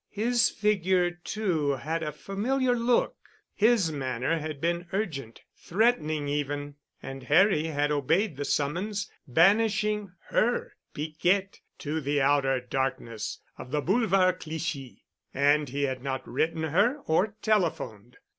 His figure too had a familiar look. His manner had been urgent—threatening even, and Harry had obeyed the summons, banishing her, Piquette, to the outer darkness of the Boulevard Clichy. And he had not written her or telephoned.